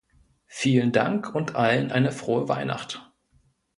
Vielen Dank und allen eine frohe Weihnacht.